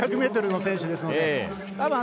１５００ｍの選手ですので。